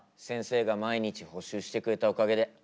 先生が毎日補習してくれたおかげで。